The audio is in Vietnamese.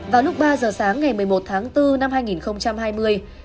vào lúc ba giờ sáng ngày một mươi một tháng bốn năm hai nghìn hai mươi